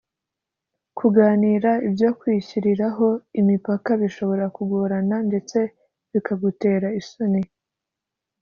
kuganira ibyo kwishyiriraho imipaka bishobora kugorana ndetse bikagutera isoni